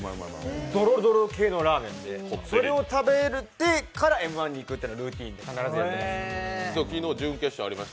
ドロドロ系のラーメンで、それを食べてからＭ−１に行くというのはルーティン、必ずやってます。